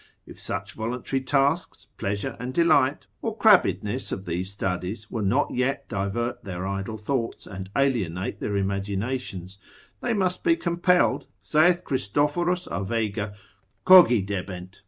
If such voluntary tasks, pleasure and delight, or crabbedness of these studies, will not yet divert their idle thoughts, and alienate their imaginations, they must be compelled, saith Christophorus a Vega, cogi debent, l.